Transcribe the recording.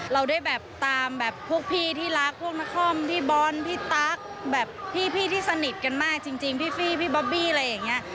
เราได้แบบตามแบบพวกพี่ที่รักพวกนครพี่บอลพี่ตั๊กแบบพี่ที่สนิทกันมากจริงพี่บอบบี้อะไรอย่างนี้